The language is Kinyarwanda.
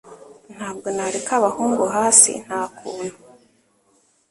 Ntabwo nareka abahungu hasi, ntakuntu.